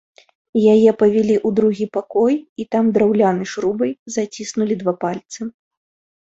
Яе павялі ў другі пакой і там драўлянай шрубай заціснулі два пальцы.